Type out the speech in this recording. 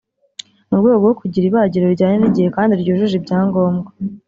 mu rwego rwo kugira ibagiro rijyanye n’igihe kandi ryujuje ibyangombwa